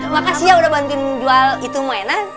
makasih ya udah bantuin jual itu mainan